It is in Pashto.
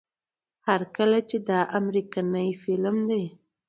هر کله چې دا امريکنے فلم دے